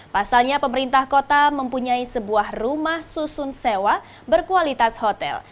pasalnya pemerintah kota mempunyai sebuah rumah susun sewa berkualitas hotel